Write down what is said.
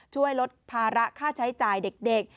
ช่วยลดภาระค่าใช้จ่ายเด็ก